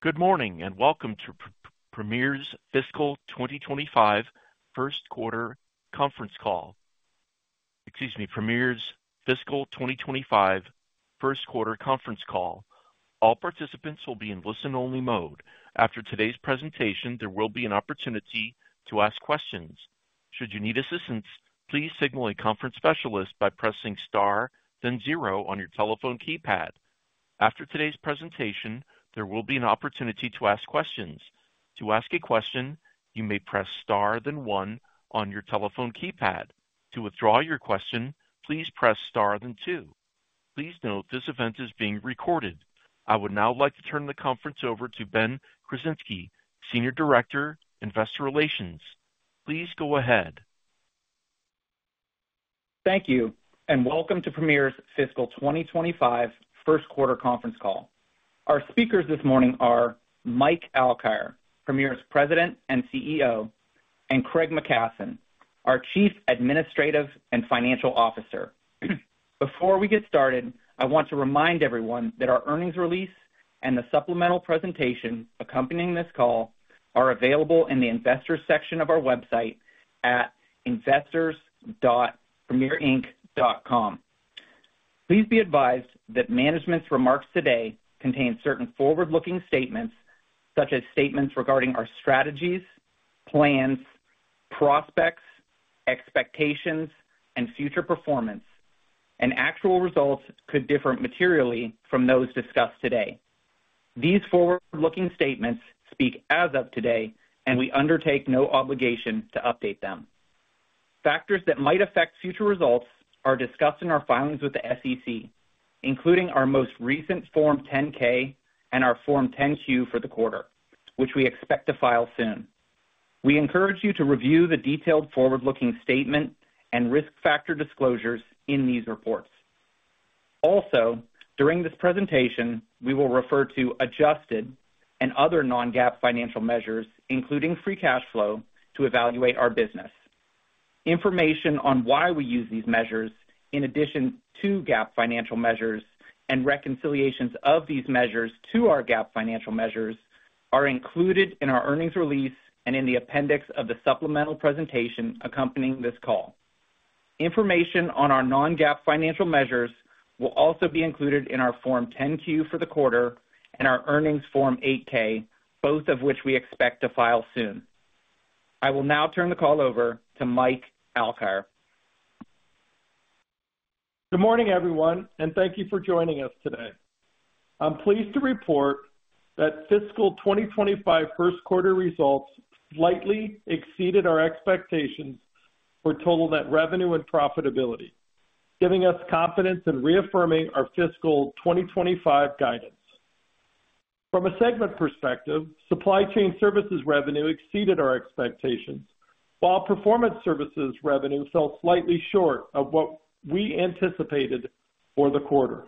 Good morning and welcome to Premier's Fiscal 2025 First Quarter Conference Call. Excuse me, Premier's Fiscal 2025 First Quarter Conference Call. All participants will be in listen-only mode. After today's presentation, there will be an opportunity to ask questions. Should you need assistance, please signal a conference specialist by pressing star, then zero on your telephone keypad. After today's presentation, there will be an opportunity to ask questions. To ask a question, you may press star, then one on your telephone keypad. To withdraw your question, please press star, then two. Please note this event is being recorded. I would now like to turn the conference over to Ben Krasinski, Senior Director, Investor Relations. Please go ahead. Thank you, and welcome to Premier's Fiscal 2025 First Quarter Conference Call. Our speakers this morning are Mike Alkire, Premier's President and CEO, and Craig McKasson, our Chief Administrative and Financial Officer. Before we get started, I want to remind everyone that our earnings release and the supplemental presentation accompanying this call are available in the investors' section of our website at investors.premierinc.com. Please be advised that management's remarks today contain certain forward-looking statements, such as statements regarding our strategies, plans, prospects, expectations, and future performance, and actual results could differ materially from those discussed today. These forward-looking statements speak as of today, and we undertake no obligation to update them. Factors that might affect future results are discussed in our filings with the SEC, including our most recent Form 10-K and our Form 10-Q for the quarter, which we expect to file soon. We encourage you to review the detailed forward-looking statement and risk factor disclosures in these reports. Also, during this presentation, we will refer to adjusted and other non-GAAP financial measures, including free cash flow, to evaluate our business. Information on why we use these measures, in addition to GAAP financial measures, and reconciliations of these measures to our GAAP financial measures are included in our earnings release and in the appendix of the supplemental presentation accompanying this call. Information on our non-GAAP financial measures will also be included in our Form 10-Q for the quarter and our earnings Form 8-K, both of which we expect to file soon. I will now turn the call over to Mike Alkire. Good morning, everyone, and thank you for joining us today. I'm pleased to report that Fiscal 2025 First Quarter results slightly exceeded our expectations for total net revenue and profitability, giving us confidence and reaffirming our Fiscal 2025 guidance. From a segment perspective, supply chain services revenue exceeded our expectations, while performance services revenue fell slightly short of what we anticipated for the quarter.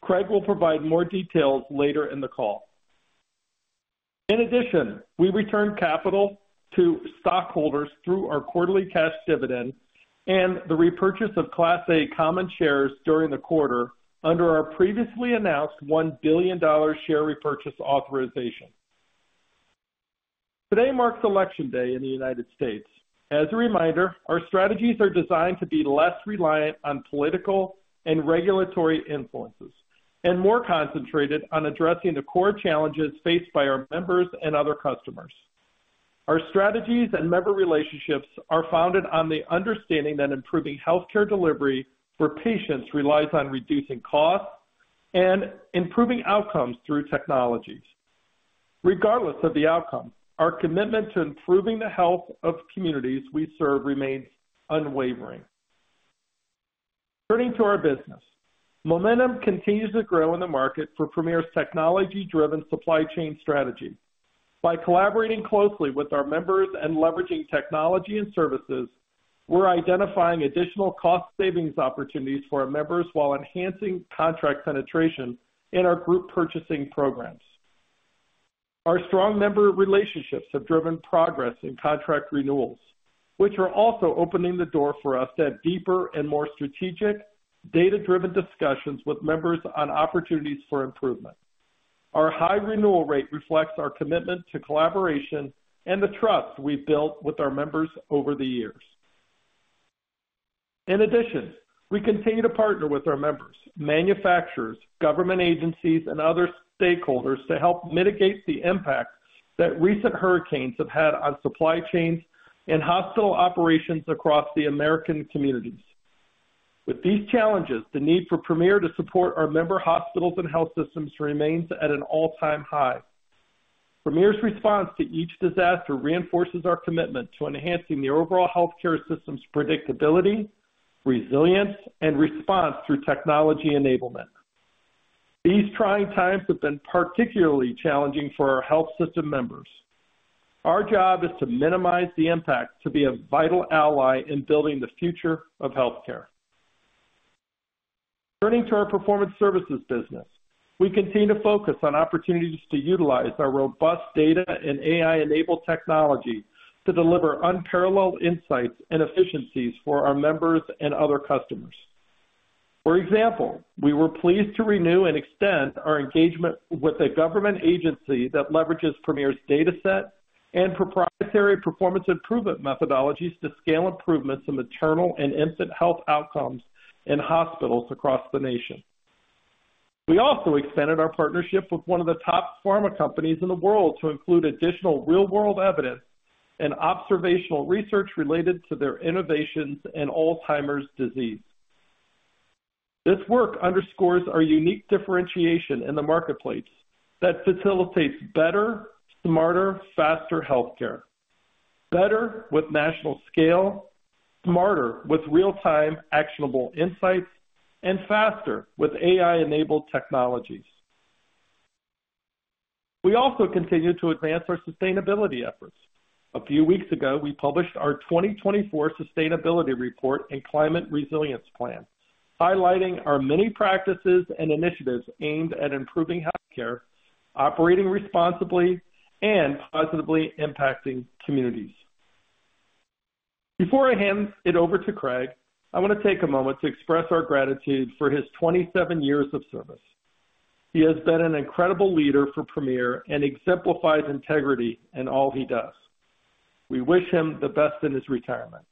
Craig will provide more details later in the call. In addition, we returned capital to stockholders through our quarterly cash dividend and the repurchase of Class A Common Shares during the quarter under our previously announced $1 billion share repurchase authorization. Today marks Election Day in the United States. As a reminder, our strategies are designed to be less reliant on political and regulatory influences and more concentrated on addressing the core challenges faced by our members and other customers. Our strategies and member relationships are founded on the understanding that improving healthcare delivery for patients relies on reducing costs and improving outcomes through technologies. Regardless of the outcome, our commitment to improving the health of communities we serve remains unwavering. Turning to our business, momentum continues to grow in the market for Premier's technology-driven supply chain strategy. By collaborating closely with our members and leveraging technology and services, we're identifying additional cost savings opportunities for our members while enhancing contract penetration in our group purchasing programs. Our strong member relationships have driven progress in contract renewals, which are also opening the door for us to have deeper and more strategic, data-driven discussions with members on opportunities for improvement. Our high renewal rate reflects our commitment to collaboration and the trust we've built with our members over the years. In addition, we continue to partner with our members, manufacturers, government agencies, and other stakeholders to help mitigate the impact that recent hurricanes have had on supply chains and hospital operations across the American communities. With these challenges, the need for Premier to support our member hospitals and health systems remains at an all-time high. Premier's response to each disaster reinforces our commitment to enhancing the overall healthcare system's predictability, resilience, and response through technology enablement. These trying times have been particularly challenging for our health system members. Our job is to minimize the impact to be a vital ally in building the future of healthcare. Turning to our performance services business, we continue to focus on opportunities to utilize our robust data and AI-enabled technology to deliver unparalleled insights and efficiencies for our members and other customers. For example, we were pleased to renew and extend our engagement with a government agency that leverages Premier's dataset and proprietary performance improvement methodologies to scale improvements in maternal and infant health outcomes in hospitals across the nation. We also expanded our partnership with one of the top pharma companies in the world to include additional real-world evidence and observational research related to their innovations in Alzheimer's disease. This work underscores our unique differentiation in the marketplace that facilitates better, smarter, faster healthcare, better with national scale, smarter with real-time actionable insights, and faster with AI-enabled technologies. We also continue to advance our sustainability efforts. A few weeks ago, we published our 2024 Sustainability Report and Climate Resilience Plan, highlighting our many practices and initiatives aimed at improving healthcare, operating responsibly, and positively impacting communities. Before I hand it over to Craig, I want to take a moment to express our gratitude for his 27 years of service. He has been an incredible leader for Premier and exemplifies integrity in all he does. We wish him the best in his retirement.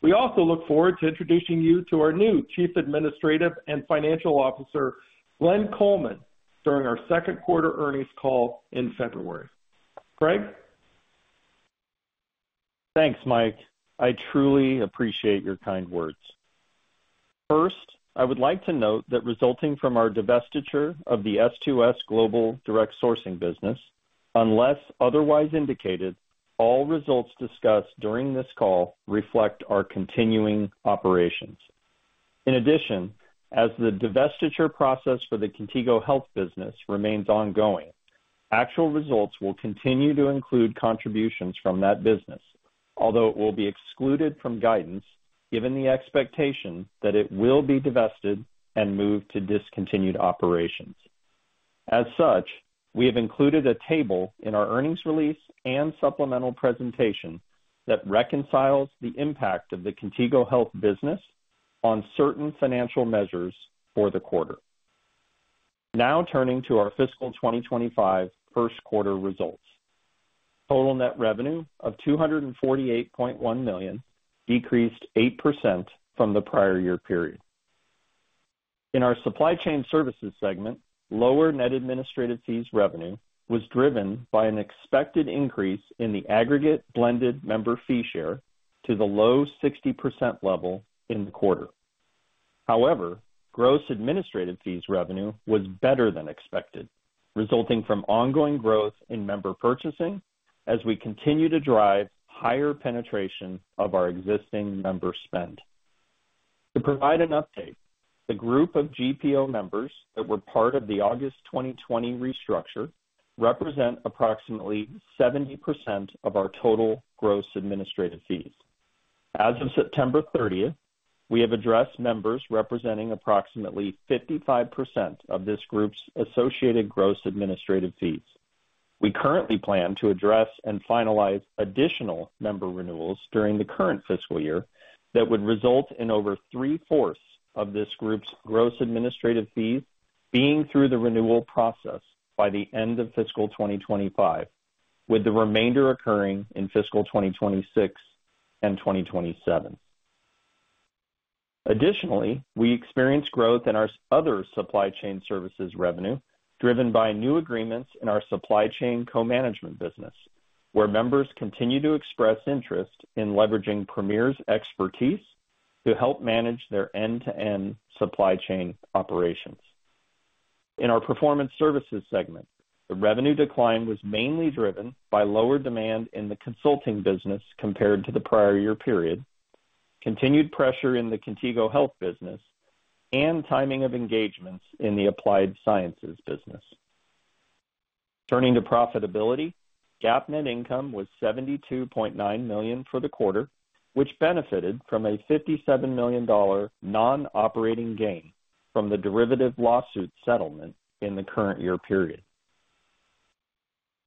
We also look forward to introducing you to our new Chief Administrative and Financial Officer, Glenn Coleman, during our Second Quarter earnings call in February. Craig? Thanks, Mike. I truly appreciate your kind words. First, I would like to note that resulting from our divestiture of the S2S Global Direct Sourcing business, unless otherwise indicated, all results discussed during this call reflect our continuing operations. In addition, as the divestiture process for the Contigo Health business remains ongoing, actual results will continue to include contributions from that business, although it will be excluded from guidance given the expectation that it will be divested and move to discontinued operations. As such, we have included a table in our earnings release and supplemental presentation that reconciles the impact of the Contigo Health business on certain financial measures for the quarter. Now turning to our Fiscal 2025 First Quarter results, total net revenue of $248.1 million decreased 8% from the prior year period. In our supply chain services segment, lower net administrative fees revenue was driven by an expected increase in the aggregate blended member fee share to the low 60% level in the quarter. However, gross administrative fees revenue was better than expected, resulting from ongoing growth in member purchasing as we continue to drive higher penetration of our existing member spend. To provide an update, the group of GPO members that were part of the August 2020 restructure represent approximately 70% of our total gross administrative fees. As of September 30th, we have addressed members representing approximately 55% of this group's associated gross administrative fees. We currently plan to address and finalize additional member renewals during the current fiscal year that would result in over three-fourths of this group's gross administrative fees being through the renewal process by the end of Fiscal 2025, with the remainder occurring in Fiscal 2026 and 2027. Additionally, we experience growth in our other supply chain services revenue driven by new agreements in our supply chain co-management business, where members continue to express interest in leveraging Premier's expertise to help manage their end-to-end supply chain operations. In our performance services segment, the revenue decline was mainly driven by lower demand in the consulting business compared to the prior year period, continued pressure in the Contigo Health business, and timing of engagements in the applied sciences business. Turning to profitability, GAAP net income was $72.9 million for the quarter, which benefited from a $57 million non-operating gain from the derivative lawsuit settlement in the current year period.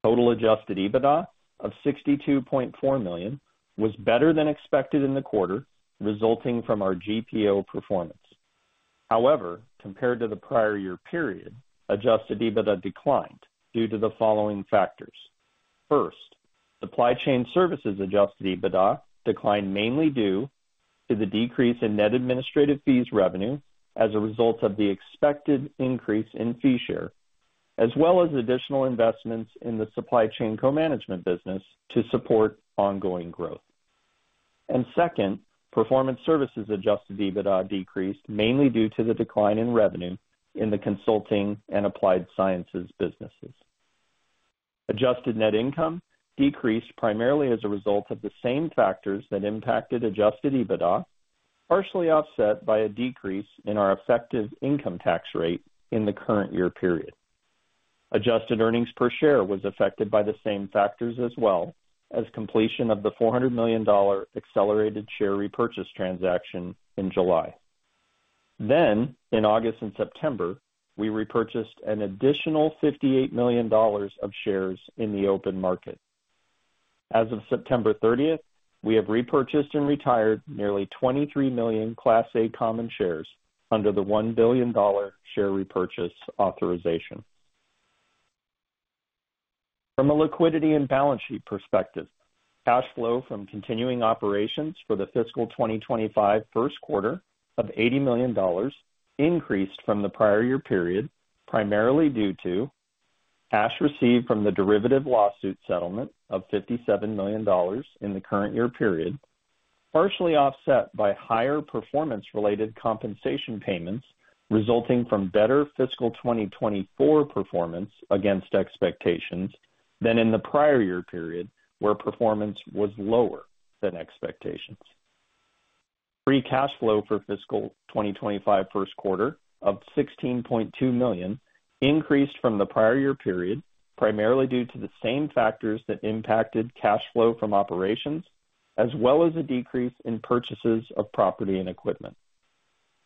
Total adjusted EBITDA of $62.4 million was better than expected in the quarter, resulting from our GPO performance. However, compared to the prior year period, adjusted EBITDA declined due to the following factors. First, supply chain services adjusted EBITDA declined mainly due to the decrease in net administrative fees revenue as a result of the expected increase in fee share, as well as additional investments in the supply chain co-management business to support ongoing growth, and second, performance services adjusted EBITDA decreased mainly due to the decline in revenue in the consulting and applied sciences businesses. Adjusted net income decreased primarily as a result of the same factors that impacted Adjusted EBITDA, partially offset by a decrease in our effective income tax rate in the current year period. Adjusted earnings per share was affected by the same factors as well as completion of the $400 million accelerated share repurchase transaction in July. Then, in August and September, we repurchased an additional $58 million of shares in the open market. As of September 30th, we have repurchased and retired nearly 23 million Class A Common Shares under the $1 billion share repurchase authorization. From a liquidity and balance sheet perspective, cash flow from continuing operations for the Fiscal 2025 First Quarter of $80 million increased from the prior year period primarily due to cash received from the derivative lawsuit settlement of $57 million in the current year period, partially offset by higher performance-related compensation payments resulting from better Fiscal 2024 performance against expectations than in the prior year period, where performance was lower than expectations. Free cash flow for Fiscal 2025 First Quarter of $16.2 million increased from the prior year period primarily due to the same factors that impacted cash flow from operations, as well as a decrease in purchases of property and equipment.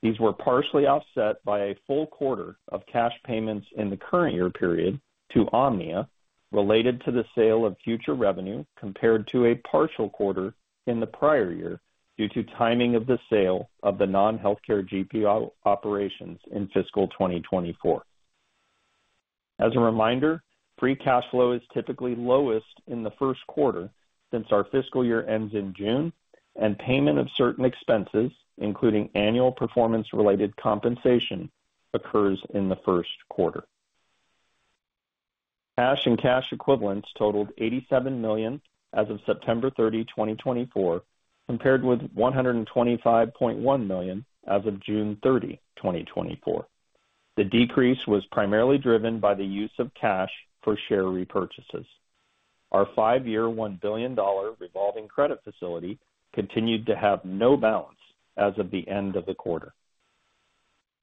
These were partially offset by a full quarter of cash payments in the current year period to OMNIA related to the sale of future revenue compared to a partial quarter in the prior year due to timing of the sale of the non-healthcare GPO operations in Fiscal 2024. As a reminder, Free Cash Flow is typically lowest in the first quarter since our fiscal year ends in June, and payment of certain expenses, including annual performance-related compensation, occurs in the first quarter. Cash and cash equivalents totaled $87 million as of September 30, 2024, compared with $125.1 million as of June 30, 2024. The decrease was primarily driven by the use of cash for share repurchases. Our five-year $1 billion revolving credit facility continued to have no balance as of the end of the quarter.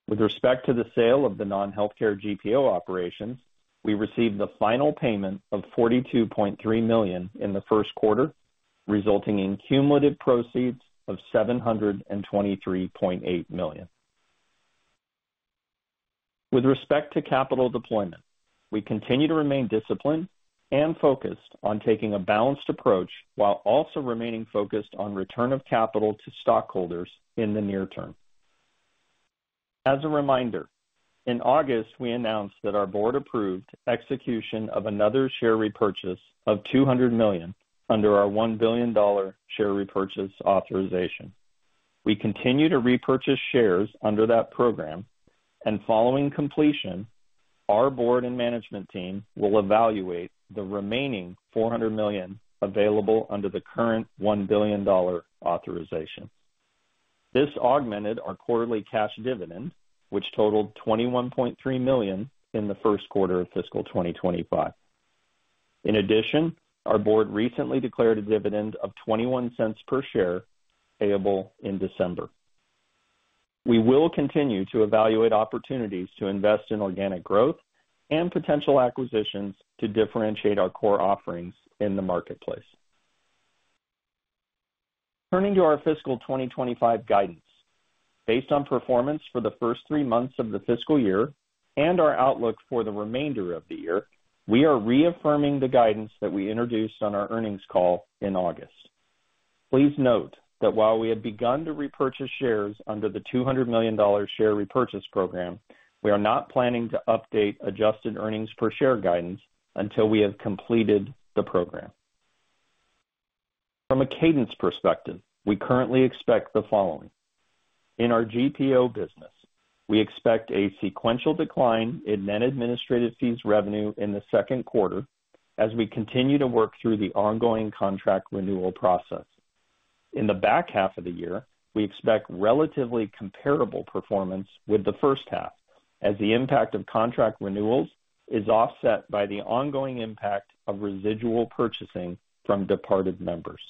With respect to the sale of the non-healthcare GPO operations, we received the final payment of $42.3 million in the first quarter, resulting in cumulative proceeds of $723.8 million. With respect to capital deployment, we continue to remain disciplined and focused on taking a balanced approach while also remaining focused on return of capital to stockholders in the near term. As a reminder, in August, we announced that our board approved execution of another share repurchase of $200 million under our $1 billion share repurchase authorization. We continue to repurchase shares under that program, and following completion, our board and management team will evaluate the remaining $400 million available under the current $1 billion authorization. This augmented our quarterly cash dividend, which totaled $21.3 million in the first quarter of Fiscal 2025. In addition, our board recently declared a dividend of $0.21 per share payable in December. We will continue to evaluate opportunities to invest in organic growth and potential acquisitions to differentiate our core offerings in the marketplace. Turning to our Fiscal 2025 guidance, based on performance for the first three months of the fiscal year and our outlook for the remainder of the year, we are reaffirming the guidance that we introduced on our earnings call in August. Please note that while we have begun to repurchase shares under the $200 million share repurchase program, we are not planning to update Adjusted Earnings Per Share guidance until we have completed the program. From a cadence perspective, we currently expect the following. In our GPO business, we expect a sequential decline in Net Administrative Fees revenue in the second quarter as we continue to work through the ongoing contract renewal process. In the back half of the year, we expect relatively comparable performance with the first half, as the impact of contract renewals is offset by the ongoing impact of residual purchasing from departed members.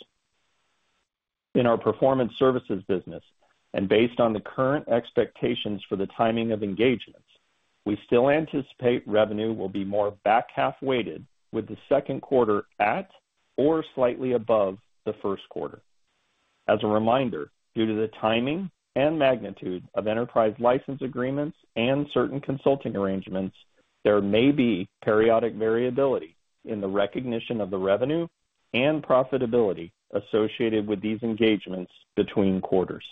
In our performance services business, and based on the current expectations for the timing of engagements, we still anticipate revenue will be more back half-weighted with the second quarter at or slightly above the first quarter. As a reminder, due to the timing and magnitude of enterprise license agreements and certain consulting arrangements, there may be periodic variability in the recognition of the revenue and profitability associated with these engagements between quarters.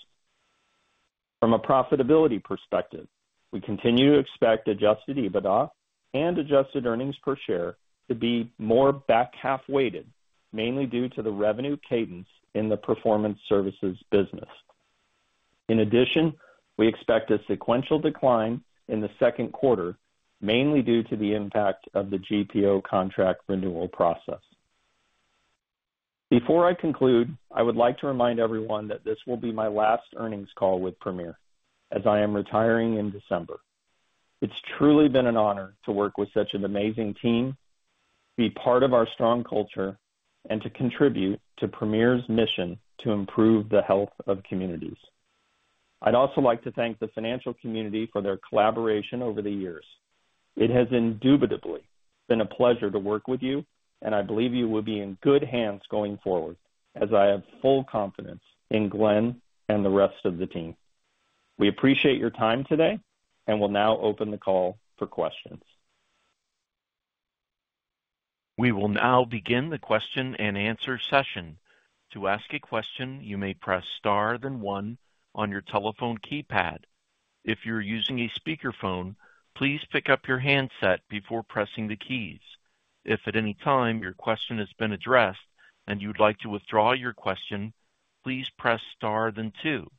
From a profitability perspective, we continue to expect Adjusted EBITDA and Adjusted Earnings Per Share to be more back half-weighted, mainly due to the revenue cadence in the performance services business. In addition, we expect a sequential decline in the second quarter, mainly due to the impact of the GPO contract renewal process. Before I conclude, I would like to remind everyone that this will be my last earnings call with Premier as I am retiring in December. It's truly been an honor to work with such an amazing team, be part of our strong culture, and to contribute to Premier's mission to improve the health of communities. I'd also like to thank the financial community for their collaboration over the years. It has indubitably been a pleasure to work with you, and I believe you will be in good hands going forward, as I have full confidence in Glenn and the rest of the team. We appreciate your time today and will now open the call for questions. We will now begin the question and answer session. To ask a question, you may press star then one on your telephone keypad. If you're using a speakerphone, please pick up your handset before pressing the keys. If at any time your question has been addressed and you'd like to withdraw your question, please press star then two.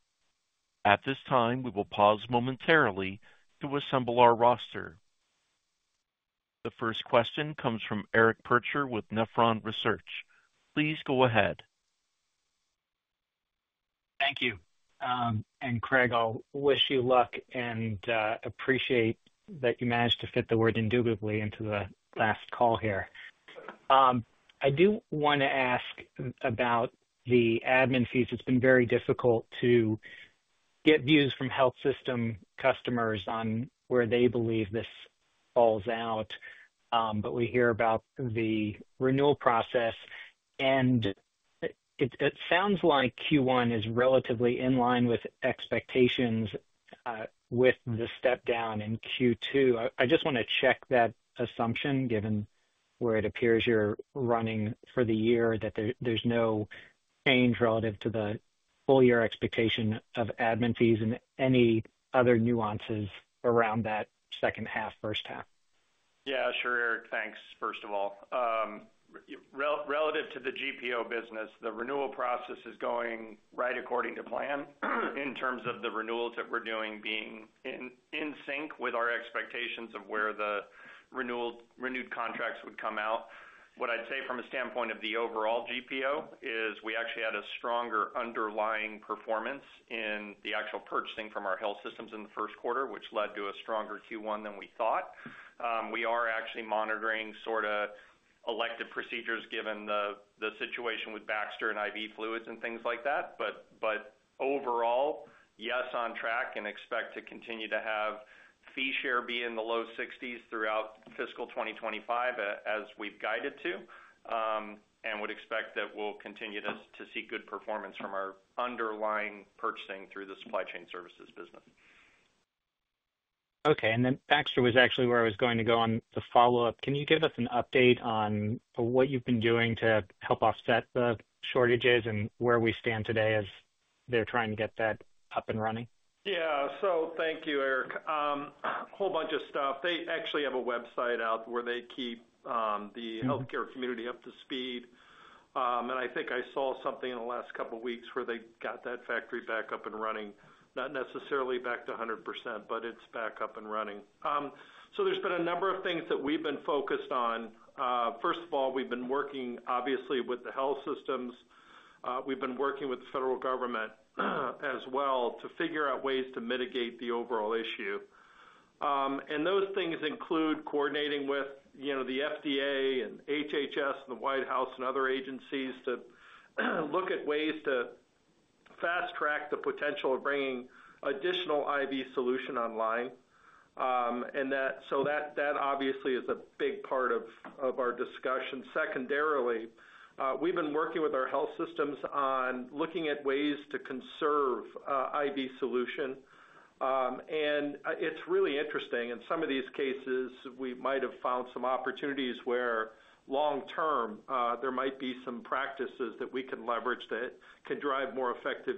At this time, we will pause momentarily to assemble our roster. The first question comes from Eric Percher with Nephron Research. Please go ahead. Thank you. And Craig, I'll wish you luck and appreciate that you managed to fit the word "indubitably" into the last call here. I do want to ask about the admin fees. It's been very difficult to get views from health system customers on where they believe this falls out, but we hear about the renewal process, and it sounds like Q1 is relatively in line with expectations with the step down in Q2. I just want to check that assumption, given where it appears you're running for the year, that there's no change relative to the full year expectation of admin fees and any other nuances around that second half, first half. Yeah, sure, Eric. Thanks, first of all. Relative to the GPO business, the renewal process is going right according to plan in terms of the renewals that we're doing being in sync with our expectations of where the renewed contracts would come out. What I'd say from a standpoint of the overall GPO is we actually had a stronger underlying performance in the actual purchasing from our health systems in the first quarter, which led to a stronger Q1 than we thought. We are actually monitoring sort of elective procedures given the situation with Baxter and IV fluids and things like that. But overall, yes, on track and expect to continue to have fee share be in the low 60s throughout Fiscal 2025, as we've guided to, and would expect that we'll continue to see good performance from our underlying purchasing through the supply chain services business. Okay. And then Baxter was actually where I was going to go on the follow-up. Can you give us an update on what you've been doing to help offset the shortages and where we stand today as they're trying to get that up and running? Yeah. So thank you, Eric. A whole bunch of stuff. They actually have a website out where they keep the healthcare community up to speed. And I think I saw something in the last couple of weeks where they got that factory back up and running, not necessarily back to 100%, but it's back up and running. So there's been a number of things that we've been focused on. First of all, we've been working, obviously, with the health systems. We've been working with the federal government as well to figure out ways to mitigate the overall issue. And those things include coordinating with the FDA and HHS and the White House and other agencies to look at ways to fast-track the potential of bringing additional IV solution online. And so that obviously is a big part of our discussion. Secondarily, we've been working with our health systems on looking at ways to conserve IV solution, and it's really interesting. In some of these cases, we might have found some opportunities where long-term there might be some practices that we can leverage that can drive more effective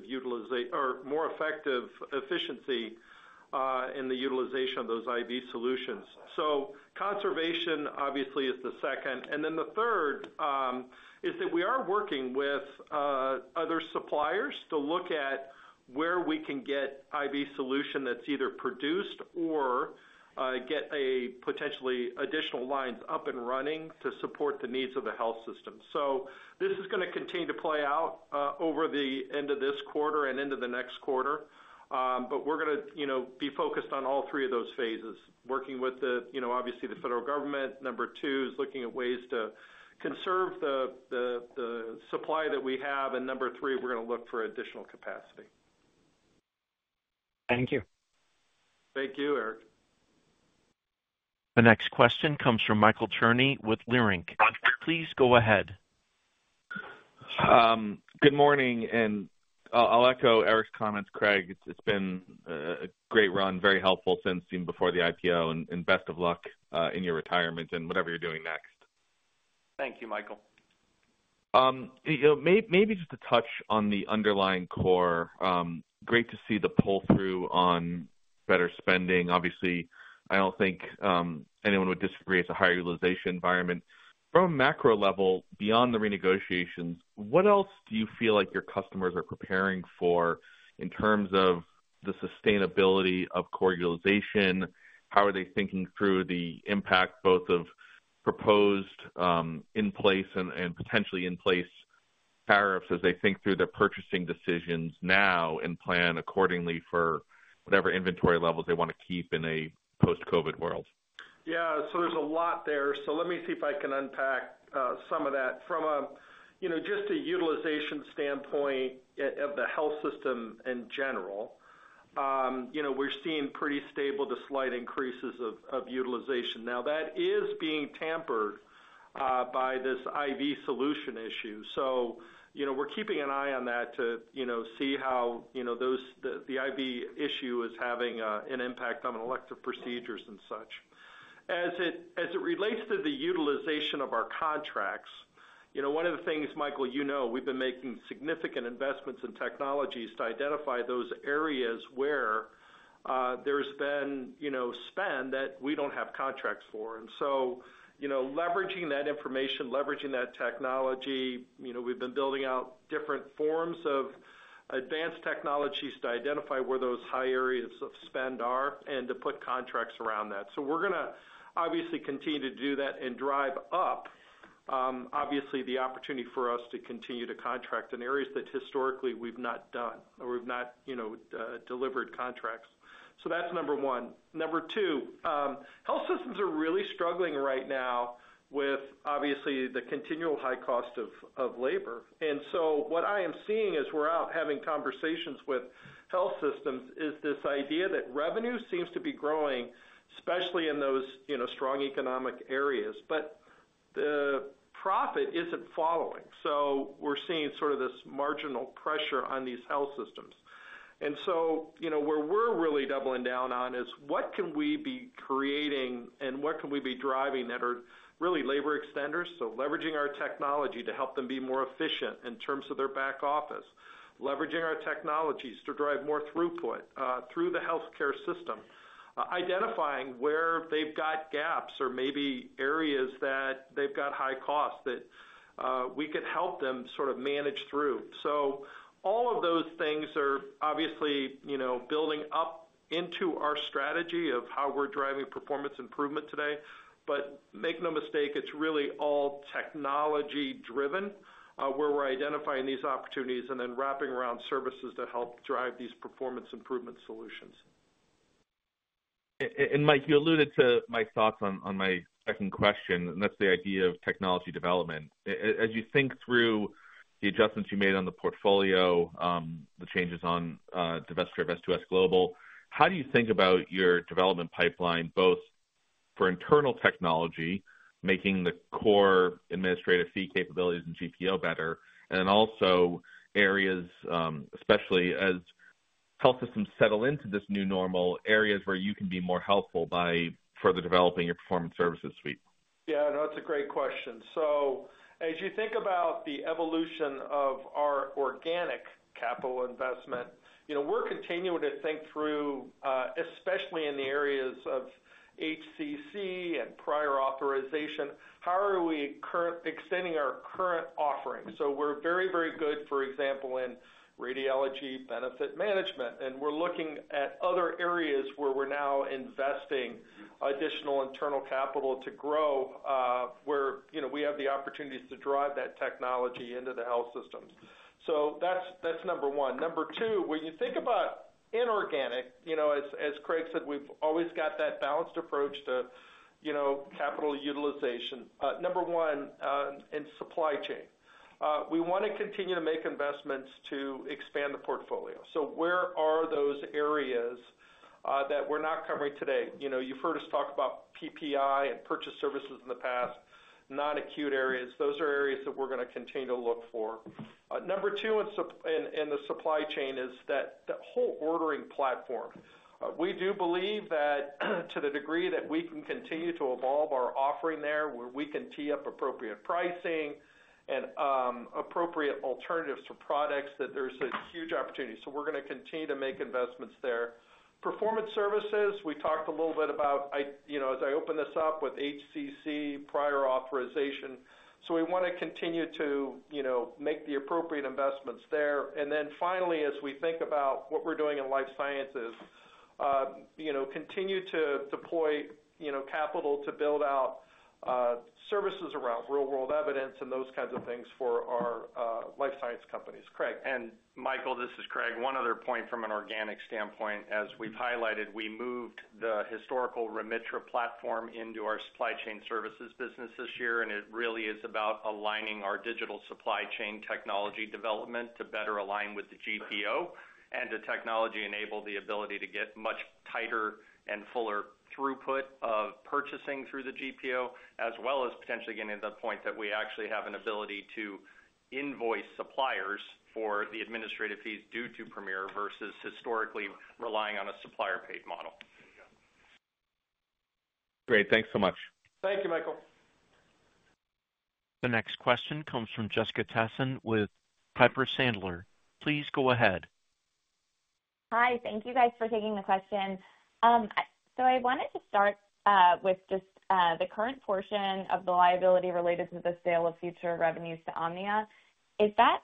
efficiency in the utilization of those IV solutions, so conservation, obviously, is the second, and then the third is that we are working with other suppliers to look at where we can get IV solution that's either produced or get potentially additional lines up and running to support the needs of the health system, so this is going to continue to play out over the end of this quarter and into the next quarter, but we're going to be focused on all three of those phases, working with, obviously, the federal government. Number two is looking at ways to conserve the supply that we have. And number three, we're going to look for additional capacity. Thank you. Thank you, Eric. The next question comes from Michael Cherny with Leerink Partners. Please go ahead. Good morning, and I'll echo Eric's comments, Craig. It's been a great run, very helpful since even before the IPO, and best of luck in your retirement and whatever you're doing next. Thank you, Michael. Maybe just to touch on the underlying core, great to see the pull-through on better spending. Obviously, I don't think anyone would disagree, it's a higher utilization environment. From a macro level, beyond the renegotiations, what else do you feel like your customers are preparing for in terms of the sustainability of core utilization? How are they thinking through the impact both of proposed in place and potentially in place tariffs as they think through their purchasing decisions now and plan accordingly for whatever inventory levels they want to keep in a post-COVID world? Yeah. So there's a lot there. So let me see if I can unpack some of that. From just a utilization standpoint of the health system in general, we're seeing pretty stable to slight increases of utilization. Now, that is being tempered by this IV solution issue. So we're keeping an eye on that to see how the IV issue is having an impact on elective procedures and such. As it relates to the utilization of our contracts, one of the things, Michael, you know we've been making significant investments in technologies to identify those areas where there's been spend that we don't have contracts for. And so leveraging that information, leveraging that technology, we've been building out different forms of advanced technologies to identify where those high areas of spend are and to put contracts around that. So we're going to obviously continue to do that and drive up, obviously, the opportunity for us to continue to contract in areas that historically we've not done or we've not delivered contracts. So that's number one. Number two, health systems are really struggling right now with, obviously, the continual high cost of labor. And so what I am seeing as we're out having conversations with health systems is this idea that revenue seems to be growing, especially in those strong economic areas, but the profit isn't following. So we're seeing sort of this marginal pressure on these health systems. And so where we're really doubling down on is what can we be creating and what can we be driving that are really labor extenders, so leveraging our technology to help them be more efficient in terms of their back office, leveraging our technologies to drive more throughput through the healthcare system, identifying where they've got gaps or maybe areas that they've got high costs that we could help them sort of manage through. So all of those things are obviously building up into our strategy of how we're driving performance improvement today. But make no mistake, it's really all technology-driven where we're identifying these opportunities and then wrapping around services to help drive these performance improvement solutions. And Mike, you alluded to my thoughts on my second question, and that's the idea of technology development. As you think through the adjustments you made on the portfolio, the changes on divestiture of S2S Global, how do you think about your development pipeline, both for internal technology, making the core administrative fee capabilities and GPO better, and then also areas, especially as health systems settle into this new normal, areas where you can be more helpful by further developing your performance services suite? Yeah. No, it's a great question. So as you think about the evolution of our organic capital investment, we're continuing to think through, especially in the areas of HCC and prior authorization, how are we extending our current offering. So we're very, very good, for example, in radiology benefit management, and we're looking at other areas where we're now investing additional internal capital to grow where we have the opportunities to drive that technology into the health systems. So that's number one. Number two, when you think about inorganic, as Craig said, we've always got that balanced approach to capital utilization. Number one, in supply chain, we want to continue to make investments to expand the portfolio. So where are those areas that we're not covering today? You've heard us talk about PPI and purchased services in the past, non-acute areas. Those are areas that we're going to continue to look for. Number two in the supply chain is that whole ordering platform. We do believe that to the degree that we can continue to evolve our offering there, where we can tee up appropriate pricing and appropriate alternatives to products, that there's a huge opportunity. So we're going to continue to make investments there. Performance services, we talked a little bit about as I opened this up with HCC, prior authorization. So we want to continue to make the appropriate investments there, and then finally, as we think about what we're doing in life sciences, continue to deploy capital to build out services around real-world evidence and those kinds of things for our life science companies. Craig. Michael, this is Craig. One other point from an organic standpoint. As we've highlighted, we moved the historical Remitra platform into our supply chain services business this year, and it really is about aligning our digital supply chain technology development to better align with the GPO and to technology-enable the ability to get much tighter and fuller throughput of purchasing through the GPO, as well as potentially getting to the point that we actually have an ability to invoice suppliers for the administrative fees due to Premier versus historically relying on a supplier-paid model. Great. Thanks so much. Thank you, Michael. The next question comes from Jessica Tassan with Piper Sandler. Please go ahead. Hi. Thank you, guys, for taking the question. So I wanted to start with just the current portion of the liability related to the sale of future revenues to Omnia. Is that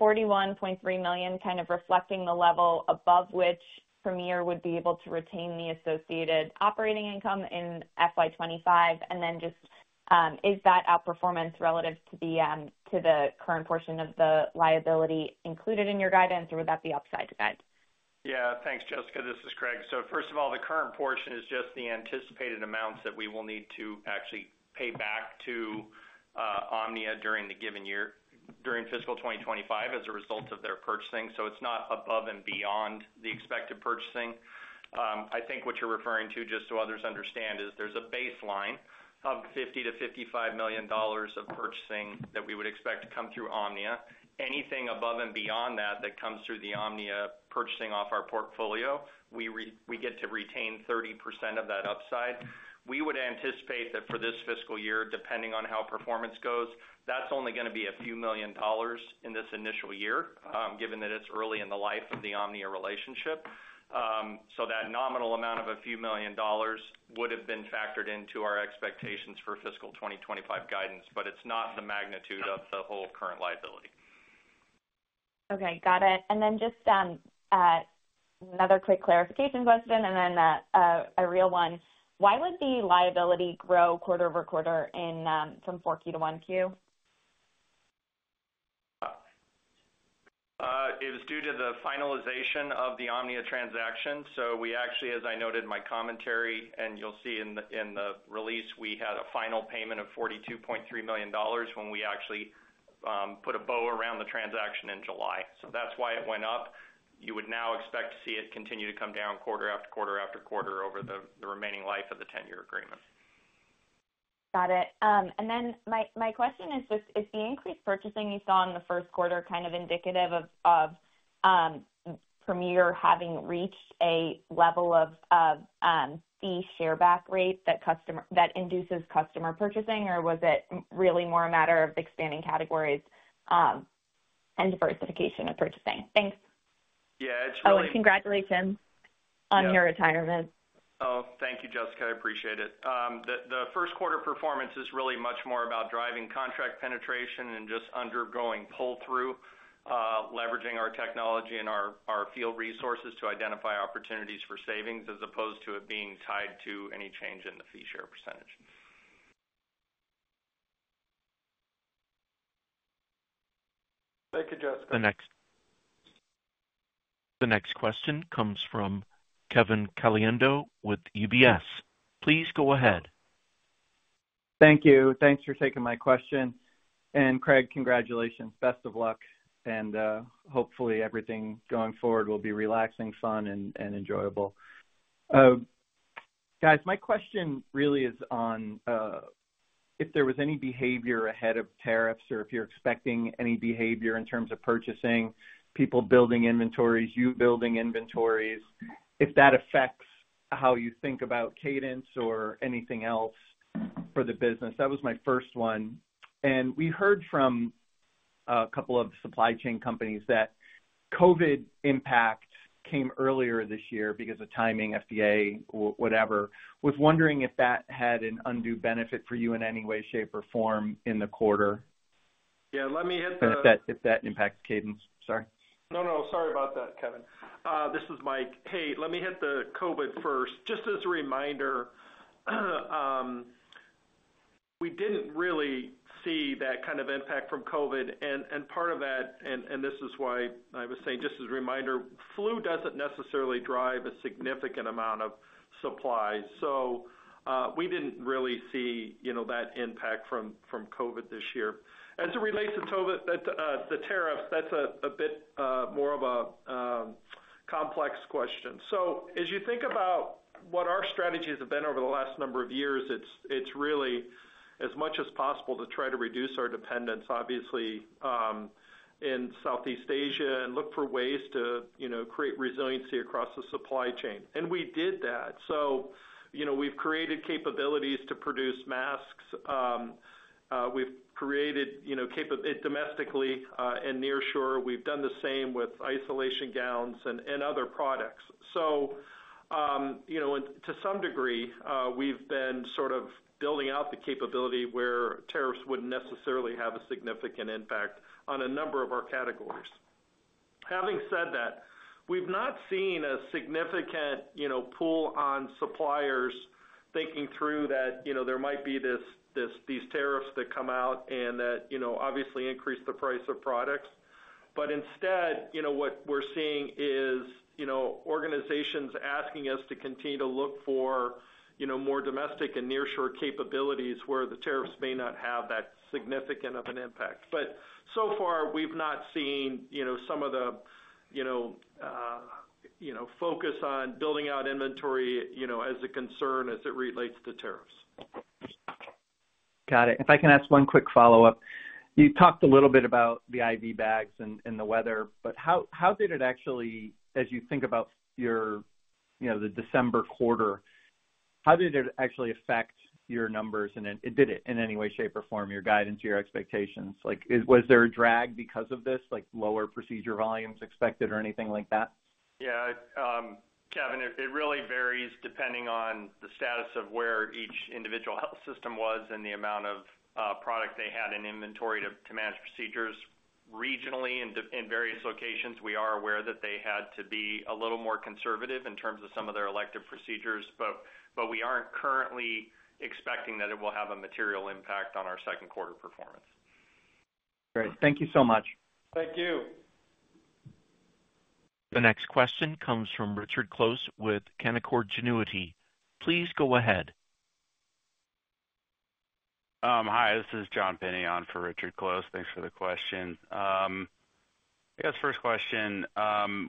$41.3 million kind of reflecting the level above which Premier would be able to retain the associated operating income in FY 2025? And then just is that outperformance relative to the current portion of the liability included in your guidance, or would that be outside the guidance? Yeah. Thanks, Jessica. This is Craig. So first of all, the current portion is just the anticipated amounts that we will need to actually pay back to OMNIA during the given year, during Fiscal 2025, as a result of their purchasing. So it's not above and beyond the expected purchasing. I think what you're referring to, just so others understand, is there's a baseline of $50 million-$55 million of purchasing that we would expect to come through OMNIA. Anything above and beyond that that comes through the OMNIA purchasing off our portfolio, we get to retain 30% of that upside. We would anticipate that for this fiscal year, depending on how performance goes, that's only going to be a few million dollars in this initial year, given that it's early in the life of the OMNIA relationship. That nominal amount of a few million dollars would have been factored into our expectations for fiscal 2025 guidance, but it's not the magnitude of the whole current liability. Okay. Got it. And then just another quick clarification question, and then a real one. Why would the liability grow quarter over quarter from 4Q to 1Q? It was due to the finalization of the OMNIA transaction. So we actually, as I noted in my commentary, and you'll see in the release, we had a final payment of $42.3 million when we actually put a bow around the transaction in July. So that's why it went up. You would now expect to see it continue to come down quarter after quarter after quarter over the remaining life of the 10-year agreement. Got it. And then my question is just, is the increased purchasing you saw in the first quarter kind of indicative of Premier having reached a level of fee share back rate that induces customer purchasing, or was it really more a matter of expanding categories and diversification of purchasing? Thanks. Yeah. It's really. Oh, congratulations on your retirement. Oh, thank you, Jessica. I appreciate it. The first quarter performance is really much more about driving contract penetration and just undergoing pull-through, leveraging our technology and our field resources to identify opportunities for savings as opposed to it being tied to any change in the fee share percentage. Thank you, Jessica. The next question comes from Kevin Caliendo with UBS. Please go ahead. Thank you. Thanks for taking my question. And Craig, congratulations. Best of luck. And hopefully, everything going forward will be relaxing, fun, and enjoyable. Guys, my question really is on if there was any behavior ahead of tariffs or if you're expecting any behavior in terms of purchasing, people building inventories, you building inventories, if that affects how you think about cadence or anything else for the business. That was my first one. And we heard from a couple of supply chain companies that COVID impact came earlier this year because of timing, FDA, whatever. Was wondering if that had an undue benefit for you in any way, shape, or form in the quarter. Yeah. Let me hit the. If that impacts cadence. Sorry. No, no. Sorry about that, Kevin. This is Mike. Hey, let me hit the COVID first. Just as a reminder, we didn't really see that kind of impact from COVID. And part of that, and this is why I was saying just as a reminder, flu doesn't necessarily drive a significant amount of supplies. So we didn't really see that impact from COVID this year. As it relates to COVID, the tariffs, that's a bit more of a complex question. So as you think about what our strategies have been over the last number of years, it's really as much as possible to try to reduce our dependence, obviously, in Southeast Asia and look for ways to create resiliency across the supply chain. And we did that. So we've created capabilities to produce masks. We've created it domestically and nearshore. We've done the same with isolation gowns and other products. So to some degree, we've been sort of building out the capability where tariffs wouldn't necessarily have a significant impact on a number of our categories. Having said that, we've not seen a significant pull on suppliers thinking through that there might be these tariffs that come out and that obviously increase the price of products. But instead, what we're seeing is organizations asking us to continue to look for more domestic and near shore capabilities where the tariffs may not have that significant of an impact. But so far, we've not seen some of the focus on building out inventory as a concern as it relates to tariffs. Got it. If I can ask one quick follow-up, you talked a little bit about the IV bags and the weather, but how did it actually, as you think about the December quarter, how did it actually affect your numbers? And did it in any way, shape, or form your guidance, your expectations? Was there a drag because of this, like lower procedure volumes expected or anything like that? Yeah. Kevin, it really varies depending on the status of where each individual health system was and the amount of product they had in inventory to manage procedures. Regionally, in various locations, we are aware that they had to be a little more conservative in terms of some of their elective procedures, but we aren't currently expecting that it will have a material impact on our second quarter performance. Great. Thank you so much. Thank you. The next question comes from Richard Close with Canaccord Genuity. Please go ahead. Hi. This is John Pinion for Richard Close. Thanks for the question. I guess first question,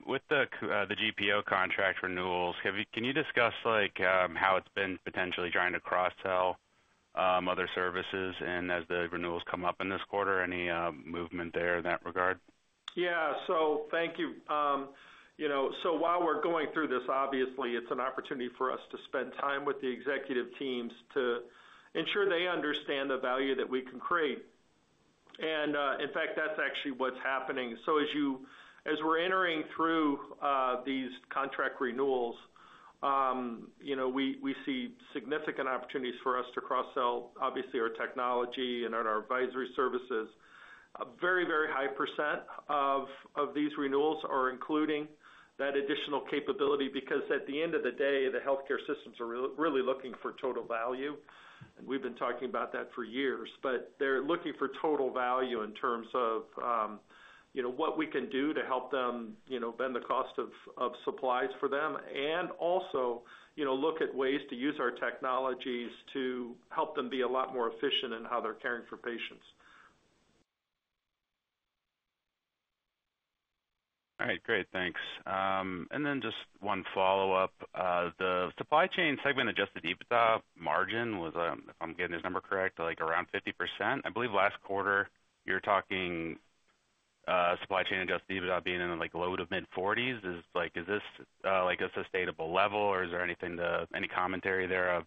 with the GPO contract renewals, can you discuss how it's been potentially trying to cross-sell other services and as the renewals come up in this quarter, any movement there in that regard? Yeah. So thank you. So while we're going through this, obviously, it's an opportunity for us to spend time with the executive teams to ensure they understand the value that we can create. And in fact, that's actually what's happening. So as we're entering through these contract renewals, we see significant opportunities for us to cross-sell, obviously, our technology and our advisory services. A very, very high % of these renewals are including that additional capability because at the end of the day, the healthcare systems are really looking for total value. And we've been talking about that for years, but they're looking for total value in terms of what we can do to help them bend the cost of supplies for them and also look at ways to use our technologies to help them be a lot more efficient in how they're caring for patients. All right. Great. Thanks. And then just one follow-up. The supply chain segment Adjusted EBITDA margin was, if I'm getting his number correct, around 50%. I believe last quarter, you're talking supply chain Adjusted EBITDA being in the low- to mid-40s%. Is this a sustainable level, or is there any commentary there of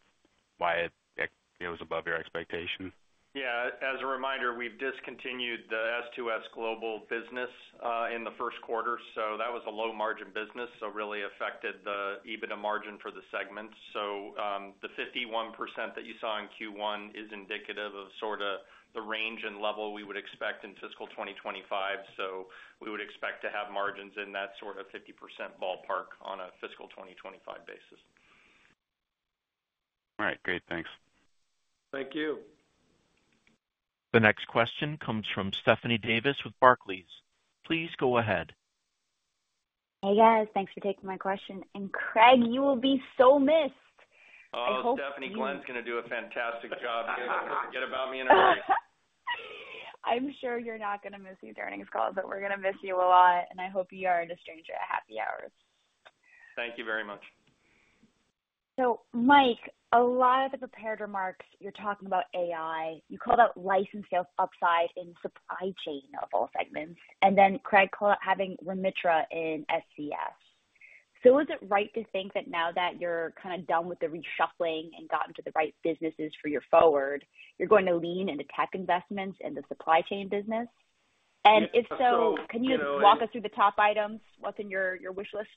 why it was above your expectation? Yeah. As a reminder, we've discontinued the S2S Global business in the first quarter. So that was a low-margin business, so really affected the EBITDA margin for the segment. So the 51% that you saw in Q1 is indicative of sort of the range and level we would expect in Fiscal 2025. So we would expect to have margins in that sort of 50% ballpark on a Fiscal 2025 basis. All right. Great. Thanks. Thank you. The next question comes from Stephanie Davis with Barclays. Please go ahead. Hey, guys. Thanks for taking my question, and Craig, you will be so missed. Oh, Stephanie, Glenn's going to do a fantastic job here. Forget about me and her. I'm sure you're not going to miss these earnings calls, but we're going to miss you a lot, and I hope you are no stranger at happy hours. Thank you very much. So Mike, a lot of the prepared remarks, you're talking about AI. You call that license sales upside in supply chain of all segments. And then Craig calls it having Remitra in SCS. So is it right to think that now that you're kind of done with the reshuffling and gotten to the right businesses for your forward, you're going to lean into tech investments in the supply chain business? Yes. And if so, can you walk us through the top items? What's in your wish list?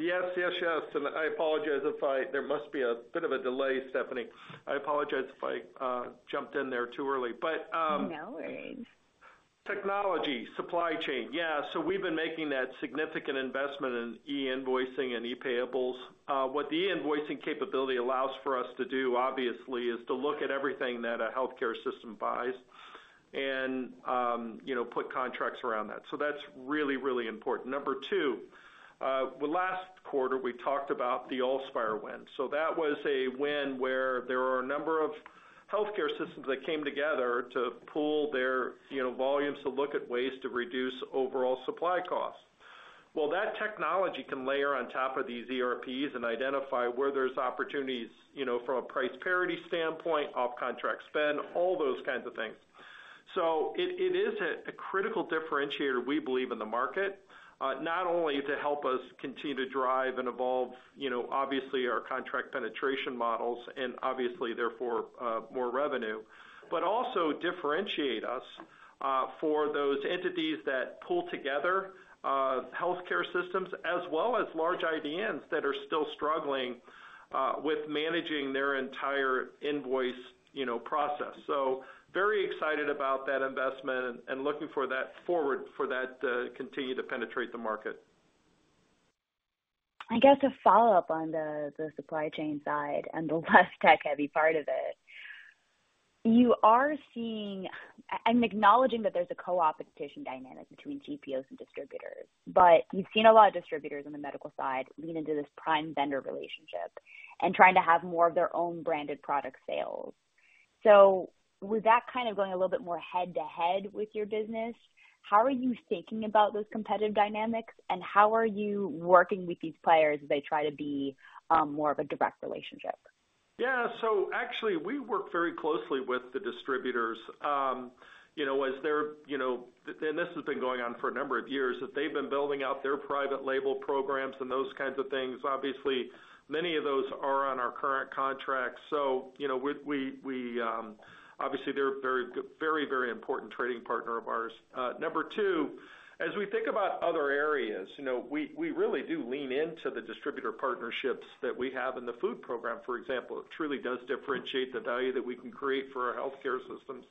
Yes, yes, yes. And I apologize if there must be a bit of a delay, Stephanie. I apologize if I jumped in there too early, but. No worries. Technology, supply chain. Yeah. So we've been making that significant investment in e-invoicing and e-payables. What the e-invoicing capability allows for us to do, obviously, is to look at everything that a healthcare system buys and put contracts around that. So that's really, really important. Number two, last quarter, we talked about the Allspire win. So that was a win where there were a number of healthcare systems that came together to pool their volumes to look at ways to reduce overall supply costs. Well, that technology can layer on top of these ERPs and identify where there's opportunities from a price parity standpoint, off-contract spend, all those kinds of things. So it is a critical differentiator, we believe, in the market, not only to help us continue to drive and evolve, obviously, our contract penetration models and obviously, therefore, more revenue, but also differentiate us for those entities that pull together healthcare systems as well as large IDNs that are still struggling with managing their entire invoice process. So very excited about that investment and looking forward to that to continue to penetrate the market. I guess a follow-up on the supply chain side and the less tech-heavy part of it. You are seeing, I'm acknowledging that there's a co-opetition dynamic between GPOs and distributors, but you've seen a lot of distributors on the medical side lean into this prime vendor relationship and trying to have more of their own branded product sales. So with that kind of going a little bit more head-to-head with your business, how are you thinking about those competitive dynamics, and how are you working with these players as they try to be more of a direct relationship? Yeah. So actually, we work very closely with the distributors. As they're, and this has been going on for a number of years, if they've been building out their private label programs and those kinds of things, obviously, many of those are on our current contracts. So obviously, they're a very, very important trading partner of ours. Number two, as we think about other areas, we really do lean into the distributor partnerships that we have in the food program, for example. It truly does differentiate the value that we can create for our healthcare systems.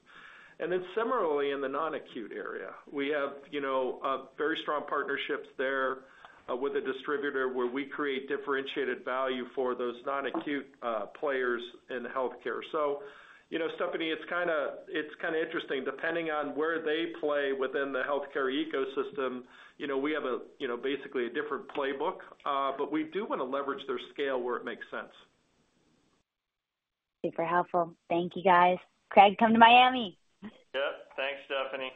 And then similarly, in the non-acute area, we have very strong partnerships there with a distributor where we create differentiated value for those non-acute players in healthcare. So Stephanie, it's kind of interesting. Depending on where they play within the healthcare ecosystem, we have basically a different playbook, but we do want to leverage their scale where it makes sense. Super helpful. Thank you, guys. Craig, come to Miami. Yep. Thanks, Stephanie.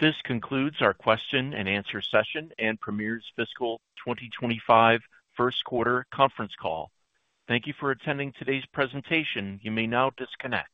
This concludes our question-and-answer session and Premier's Fiscal 2025 First Quarter Conference Call. Thank you for attending today's presentation. You may now disconnect.